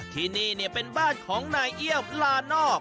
ที่นี่เป็นบ้านของนายเอี้ยวปลานอก